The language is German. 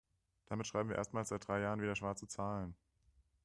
Damit schreiben wir erstmals seit drei Jahren wieder schwarze Zahlen.